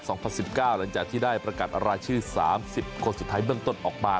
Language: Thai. ฟุตบอลเชน่าครับ๒๐๑๙หลังจากที่ได้ประกันอารายชื่อ๓๐คนสุดท้ายเบื้องต้นออกมา